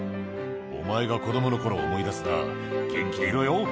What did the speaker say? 「お前が子供の頃を思い出すな元気でいろよ」